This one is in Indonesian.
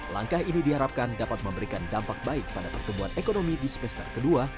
langkah ini diharapkan dapat memberikan dampak baik pada pertumbuhan ekonomi di semester kedua